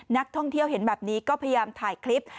นักท่องเที่ยวเห็นแบบนี้ก็พยายามถ่ายคลิป